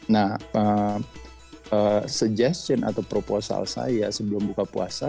nah suggestion atau proposal saya sebelum buka puasa